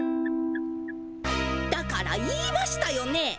だから言いましたよね？